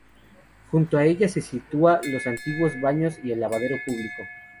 Junto a ella se sitúan los antiguos baños y el lavadero público.